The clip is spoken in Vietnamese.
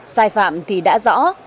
sai phạm thì đã rõ